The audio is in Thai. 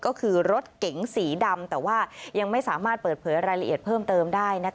ก็คือรถเก๋งสีดำแต่ว่ายังไม่สามารถเปิดเผยรายละเอียดเพิ่มเติมได้